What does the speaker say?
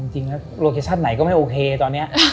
จริงแล้วโลเคชั่นไหนก็ไม่โอเคตอนนี้